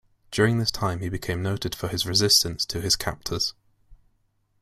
During this time he became noted for his resistance to his captors.